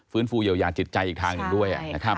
ฟื้นฟูเยียวยาจิตใจอีกทางอย่างด้วย